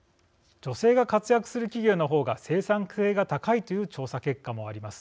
女性が活躍する企業の方が生産性が高いという調査結果もあります。